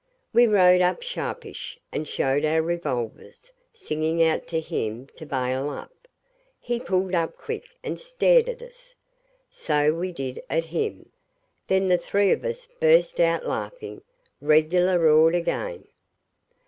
We rode up sharpish, and showed our revolvers, singing out to him to 'bail up'. He pulled up quick and stared at us. So we did at him. Then the three of us burst out laughing regular roared again.